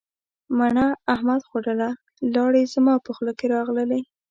مڼه احمد خوړله لیاړې زما په خوله کې راغللې.